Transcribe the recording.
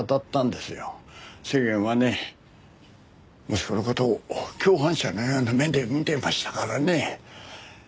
世間はね息子の事を共犯者のような目で見てましたからね。